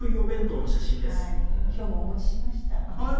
今日もお持ちしました実は。